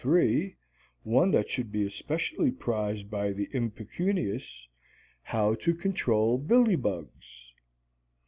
1003 (one that should be especially prized by the impecunious), "How to Control Billbugs."